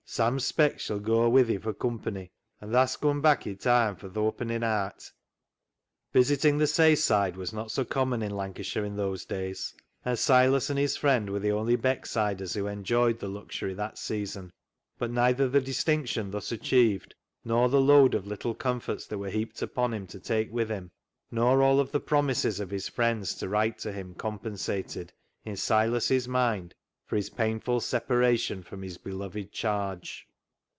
Sam Speck shall goa wi' thi fur company, an' tha'st come back i' toime fur th' oppenin' aat." Visiting the " sayside " was not so common in Lancashire in those days, and Silas and his friend were the only Becksiders who enjoyed the luxury that season ; but neither the dis tinction thus achieved nor the load of little comforts that were heaped upon him to take with him, nor all the promises of his friends to write to him compensated, in Silas' mind, for his painful separation from his beloved charge.